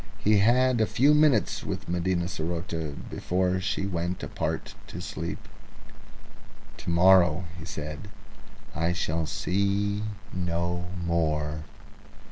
He had a few minutes with Medina saroté before she went apart to sleep. "To morrow," he said, "I shall see no more."